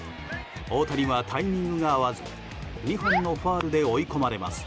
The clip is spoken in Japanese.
大谷はタイミングが合わず２本のファウルで追い込まれます。